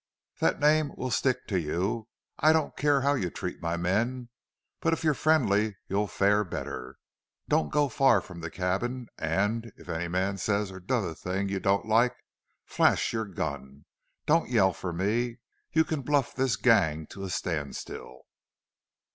That name will stick to you. I don't care how you treat my men. But if you're friendly you'll fare better. Don't go far from the cabin. And if any man says or does a thing you don't like flash your gun. Don't yell for me. You can bluff this gang to a standstill."